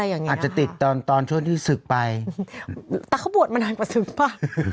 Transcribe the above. อาจจะติดตอนตอนช่วงที่ศึกไปแต่เขาบวชมานานกว่าศึกป่ะ